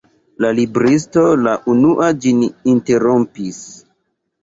La libristo la unua ĝin interrompis.